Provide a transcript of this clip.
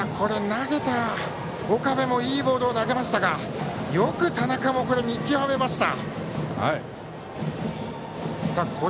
投げた岡部もいいボールを投げましたがよく田中も見極めました。